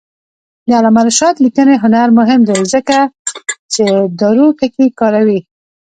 د علامه رشاد لیکنی هنر مهم دی ځکه چې دارو ټکي کاروي.